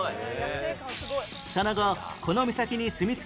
その後この岬に棲みつき